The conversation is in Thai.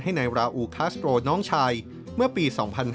นายราอูคาสโตรน้องชายเมื่อปี๒๕๕๙